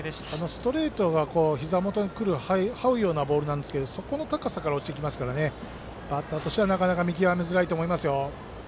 ストレートがひざ元にくる這うようなボールなんですけどそこの高さから落ちてきますからバッターとしてはなかなか見極めづらいと思います。